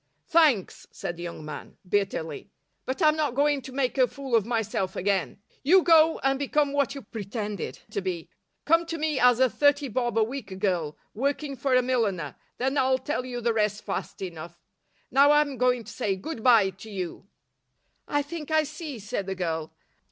"Thanks," said the young man, bitterly, "but I'm not going to make a fool of myself again. You go and become what you pretended to be. Come to me as a thirty bob a week girl, working for a milliner, then I'll tell you the rest fast enough. Now I'm going to say 'Good bye' to you." "I think I see," said the girl.